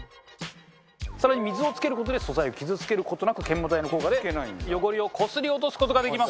更に水をつける事で素材を傷つける事なく研磨剤の効果で汚れをこすり落とす事ができます。